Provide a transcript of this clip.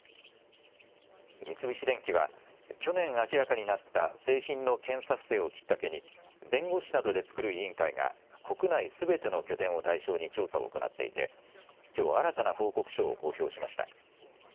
三菱電機は去年、明らかになった製品の検査不正をきっかけに弁護士などで作る委員会が国内すべての拠点を対象に調査を行っていて、きょう新たな報告書を公表しました。